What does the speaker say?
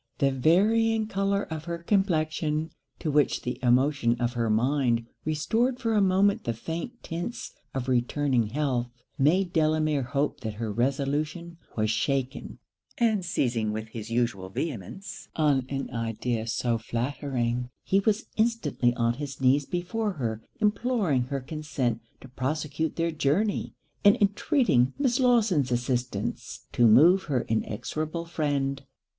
The varying colour of her complexion, to which the emotions of her mind restored for a moment the faint tints of returning health, made Delamere hope that her resolution was shaken; and seizing with his usual vehemence on an idea so flattering, he was instantly on his knees before her imploring her consent to prosecute their journey, and intreating Miss Lawson's assistance, to move her inexorable friend.